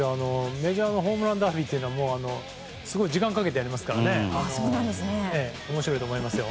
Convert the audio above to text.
メジャーのホームランダービーは時間をかけてやりますから面白いと思いますよ。